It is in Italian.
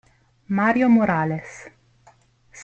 Mario Morales